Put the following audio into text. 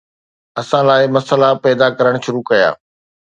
اسان لاءِ مسئلا پيدا ڪرڻ شروع ڪيا